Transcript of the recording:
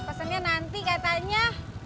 pesennya nanti katanya